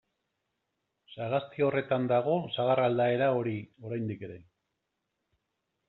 Sagasti horretan dago sagar aldaera hori, oraindik ere.